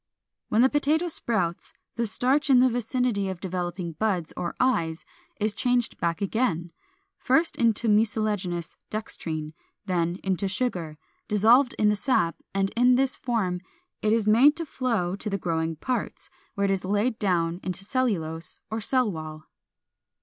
When the potato sprouts, the starch in the vicinity of developing buds or eyes is changed back again, first into mucilaginous dextrine, then into sugar, dissolved in the sap, and in this form it is made to flow to the growing parts, where it is laid down into cellulose or cell wall.